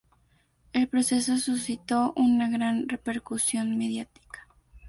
El proceso suscitó una gran repercusión mediática.